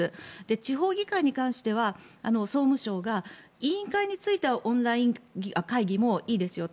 地方議会に関しては、総務省が委員会についてはオンライン会議もいいですよと。